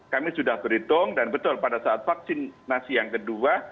kami sudah berhitung dan betul pada saat vaksinasi yang kedua